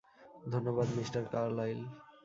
ধন্যবাদ, mister Carlyle.